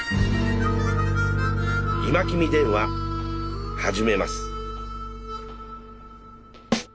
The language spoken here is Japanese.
「今君電話」始めます。